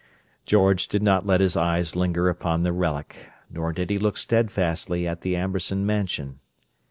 George did not let his eyes linger upon the relic; nor did he look steadfastly at the Amberson Mansion.